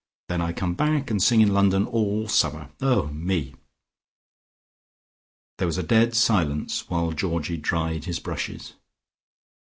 Then I come back, and sing in London all the summer. Oh, me!" There was dead silence, while Georgie dried his brushes.